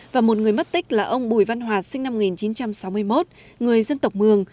và một người mất tích là ông bùi văn hòa sinh năm một nghìn chín trăm sáu mươi một người dân tộc mường